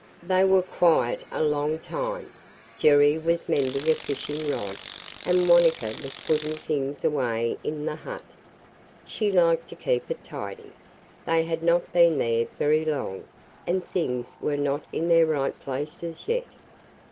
They were quiet a long time. Jerry was mending a fishing rod and Wanetka was putting things away in the hut. She liked to keep it tidy. They had not been there very long and things were not in their right places yet.